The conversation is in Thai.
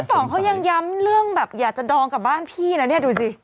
สองเขายังย้ำเรื่องแบบอยากจะดองกับบ้านพี่นะเนี่ยดูสิ